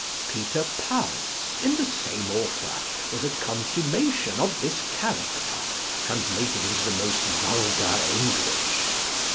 Peter Pounce, in the same author, was a consummation of this character, translated into the most vulgar English.